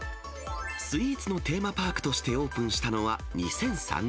スイーツのテーマパークとしてオープンしたのは２００３年。